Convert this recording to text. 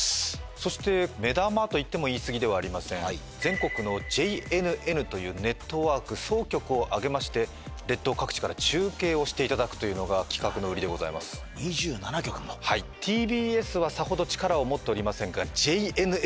そして目玉といっても言いすぎではありません全国のＪＮＮというネットワーク総局を挙げまして列島各地から中継をしていただくというのが企画の売りでございます２７局もあっそうなんですか？